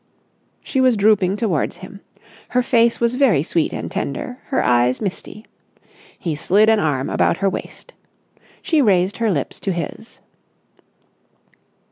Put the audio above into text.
She was drooping towards him. Her face was very sweet and tender, her eyes misty. He slid an arm about her waist. She raised her lips to his.